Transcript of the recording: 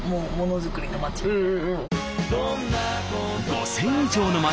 ５，０００以上の町